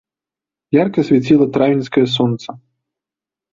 Ярка свяціла травеньскае сонца.